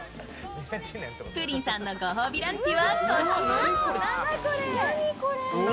プリンさんのご褒美ランチは、こちら。